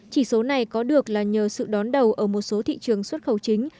chỉ số này có được là nhờ sự đón đầu ở một số thị trường xuất khẩu chính